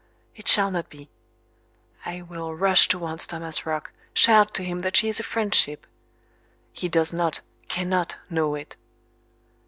it shall not be. I will rush towards Thomas Roch shout to him that she is a French ship. He does not, cannot, know it.